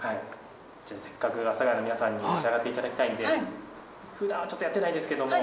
じゃあせっかく阿佐ヶ谷の皆さんに召し上がって頂きたいんで普段はちょっとやってないんですけども。